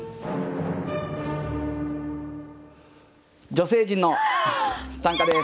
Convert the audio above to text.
女性陣の短歌です。